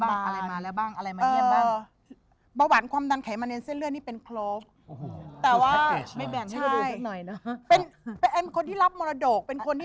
อะไรมาแล้วบ้างอะไรมาเยี่ยมบ้าง